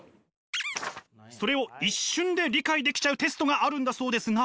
それを一瞬で理解できちゃうテストがあるんだそうですが。